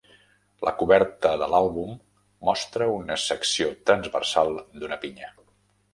La coberta de l'àlbum mostra una secció transversal d'una pinya.